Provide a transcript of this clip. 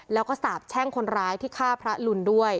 แล้วก็สาบแช่งคนร้ายที่ฆ่าพระลุนด้วย